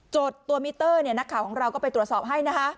ตัวมิเตอร์นักข่าวของเราก็ไปตรวจสอบให้นะคะ